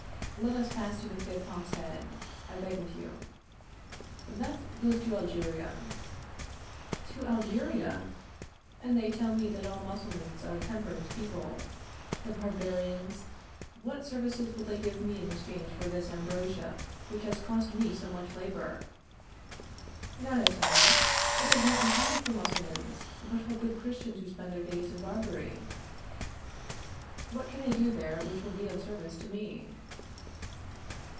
Let us pass to the fifth hogshead, I beg of you. That goes to Algeria. To Algeria! And they tell me that all Mussulmans are temperance people, the barbarians! What services will they give me in exchange for this ambrosia, which has cost me so much labor? None at all; it is not intended for Mussulmans, but for good Christians who spend their days in Barbary. What can they do there which will be of service to me?